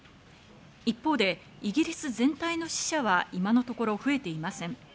一方でイギリス全体の死者は今のところ増えていません。